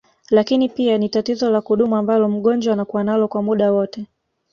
Lakini pia ni tatizo la kudumu ambalo mgonjwa anakua nalo kwa muda wote